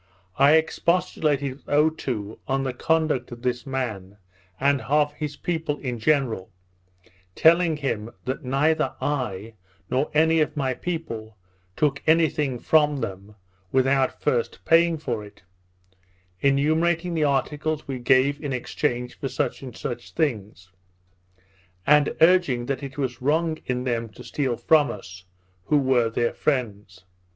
I expostulated with Otoo on the conduct of this man, and of his people in general; telling him, that neither I, nor any of my people, took any thing from them, without first paying for it; enumerating the articles we gave in exchange for such and such things; and urging that it was wrong in them to steal from us, who were their friends.